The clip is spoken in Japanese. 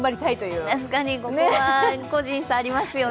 ここは個人差がありますよね。